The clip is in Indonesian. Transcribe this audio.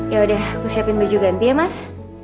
yaudah aku siapin baju ganti ya mas